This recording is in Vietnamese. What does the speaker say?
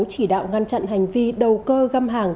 chỉ đạo ngăn chặn hành vi đầu cơ găm hàng